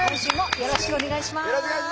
よろしくお願いします。